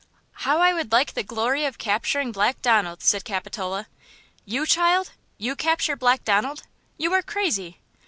"How I would like the glory of capturing Black Donald!" said Capitola. "You, child! You capture Black Donald! You are crazy!"